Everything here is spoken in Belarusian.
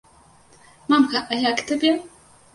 Мамка, а як табе?